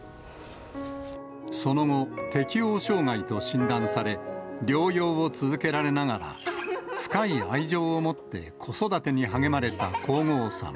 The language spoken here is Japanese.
その後、適応障害と診断され、療養を続けられながら、深い愛情を持って子育てに励まれた皇后さま。